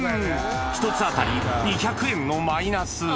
１つ当たり２００円のマイナス。